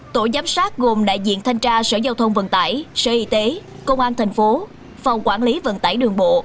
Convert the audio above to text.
tổ giám sát gồm đại diện thanh tra sở giao thông vận tải sở y tế công an tp phòng quản lý vận tải đường bộ